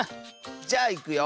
じゃあいくよ。